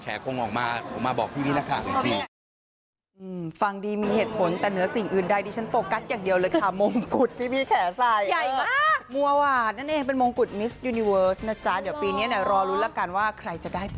แข่คงออกมาออกมาบอกพี่พี่นะคะ